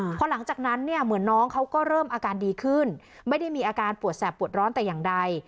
พอหลังจากนั้นเนี่ยเหมือนน้องเขาก็เริ่มอาการดีขึ้นไม่ได้มีอาการปวดแสบปวดร้อนแต่อย่างใด